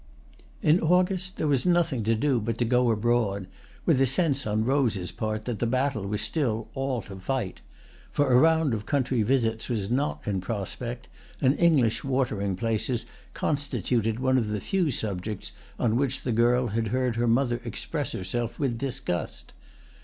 In August there was nothing to do but to go abroad, with the sense on Rose's part that the battle was still all to fight; for a round of country visits was not in prospect, and English watering places constituted one of the few subjects on which the girl had heard her mother express herself with disgust.